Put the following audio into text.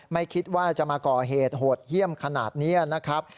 ไม่คิดว่าจะมาก่อเหตุโหดเยี่ยมขนาดนี้นะครับ